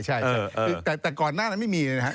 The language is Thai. ใช่แต่ก่อนหน้านั้นไม่มี